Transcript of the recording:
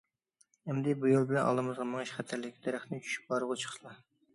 ئەمدى بۇ يول بىلەن ئالدىمىزغا مېڭىش خەتەرلىك، دەرەختىن چۈشۈپ ھارۋىغا چىقسىلا!